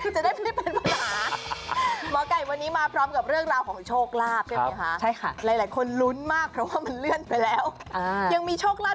สวัสดีค่ะหมอกไก่ครับ